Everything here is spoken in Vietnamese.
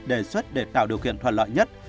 đề xuất để tạo điều kiện thuận lợi nhất